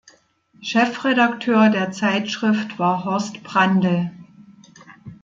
Chefredakteur der Zeitschrift war "Horst Brandl".